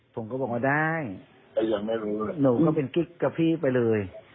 ผมก็บอกว่าได้แต่ยังไม่รู้หนูก็เป็นกิ๊กกับพี่ไปเลย